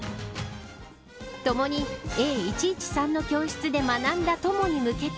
ともにＡ１１３の教室で学んだ友に向けて